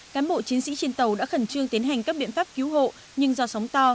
cán bộ chiến sĩ trên tàu đã khẩn trương tiến hành các biện pháp cứu hộ nhưng do sóng to